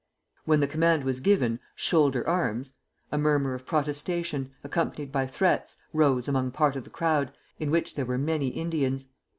When the command was given: "Shoulder arms!" a murmur of protestation, accompanied by threats, rose among part of the crowd, in which there were many Indians.